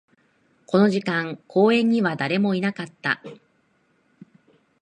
この時間、公園には誰もいなかった